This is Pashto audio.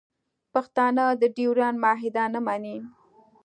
پښتانه د ډیورنډ معاهده نه مني